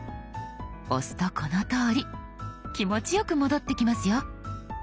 押すとこのとおり気持ちよく戻ってきますよ。